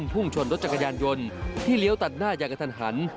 พุ่งชนรถจักรยานยนต์ที่เลี้ยวตัดหน้าอย่างกระทันหัน